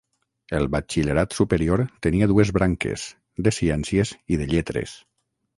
El Batxillerat superior tenia dues branques: de Ciències i de Lletres.